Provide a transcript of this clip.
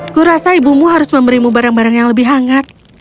kurasa ibumu harus memberimu barang barang yang lebih hangat